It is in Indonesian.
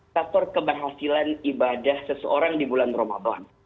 faktor keberhasilan ibadah seseorang di bulan ramadan